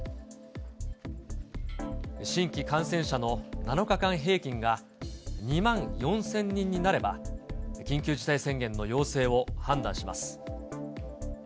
新規感染者の７日間平均が２万４０００人になれば、緊急事態宣言の要請を判断します。